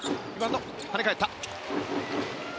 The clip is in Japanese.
跳ね返った。